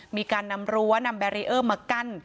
มีการนำรั้วนำแบรีเออร์มากั้น